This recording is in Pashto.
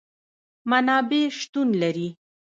منابع شتون لري